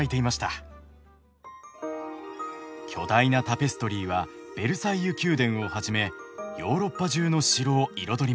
巨大なタペストリーはベルサイユ宮殿をはじめヨーロッパ中の城を彩りました。